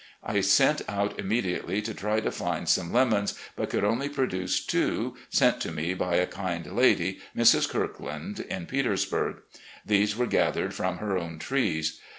I sent out immediately to try to find some lemons, but could only procure two, sent to me by a kind lady, Mrs. Kirkland, in Petersburg. These were gathered from her own trees.